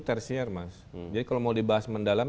tersier mas jadi kalau mau dibahas mendalam